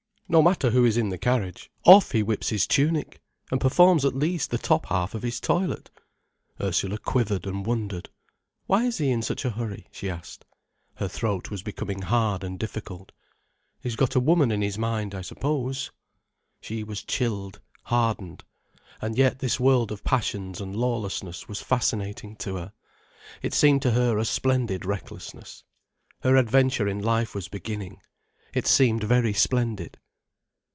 No matter who is in the carriage, off he whips his tunic, and performs at least the top half of his toilet." Ursula quivered and wondered. "Why is he in such a hurry?" she asked. Her throat was becoming hard and difficult. "He's got a woman in his mind, I suppose." She was chilled, hardened. And yet this world of passions and lawlessness was fascinating to her. It seemed to her a splendid recklessness. Her adventure in life was beginning. It seemed very splendid.